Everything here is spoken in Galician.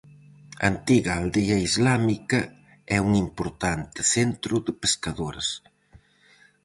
Antiga aldea islámica, é un importante centro de pescadores.